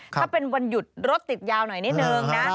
ถ้าเป็นวันหยุดรถติดยาวหน่อยนิดนึงนะ